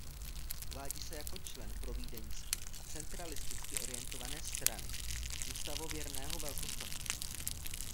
Uvádí se jako člen provídeňsky a centralisticky orientované Strany ústavověrného velkostatku.